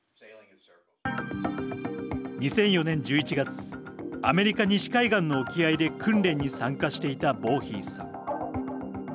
２００４年１１月アメリカ西海岸の沖合で訓練に参加していたボーヒースさん。